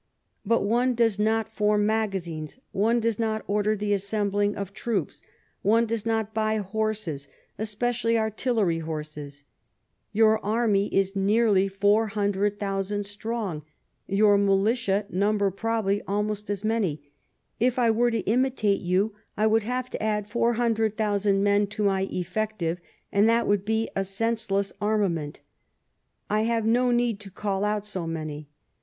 But one does not form magazines, one does not order the assembling of troops, one does not buy horses, especially artillery horses. Your army is nearly 400,000 strong ; your militia number probably almost as many. If I were to imitate you, I should have to add 400,000 men to my effective, and that would be a senseless armament. I have no need to call out so many.